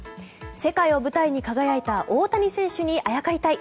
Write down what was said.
世界を舞台に輝いた大谷選手にあやかりたい。